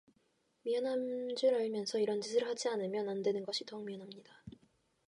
미안한 줄 알면서 이런 짓을 하지 않으면 안된 것이 더욱 미안합니다.